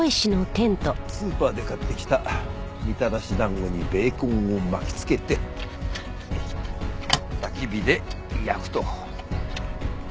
スーパーで買ってきたみたらし団子にベーコンを巻きつけて焚き火で焼くと。